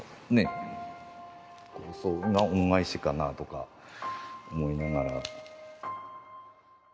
それが恩返しかなとか思いながら。